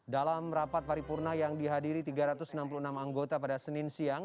dalam rapat paripurna yang dihadiri tiga ratus enam puluh enam anggota pada senin siang